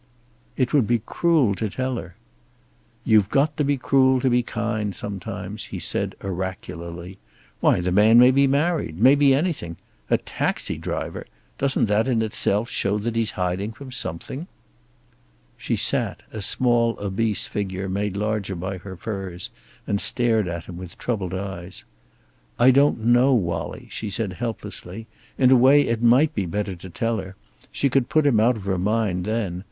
"It would be cruel to tell her." "You've got to be cruel to be kind, sometimes," he said oracularly. "Why, the man may be married. May be anything. A taxi driver! Doesn't that in itself show that he's hiding from something?" She sat, a small obese figure made larger by her furs, and stared at him with troubled eyes. "I don't know, Wallie," she said helplessly. "In a way, it might be better to tell her. She could put him out of her mind, then.